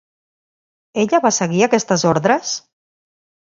Ella va seguir aquestes ordres?